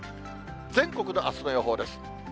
全国のあすの予報です。